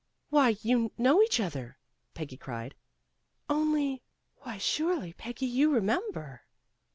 "Why, you know each other," Peggy cried. "Only why, surely, Peggy, you remember."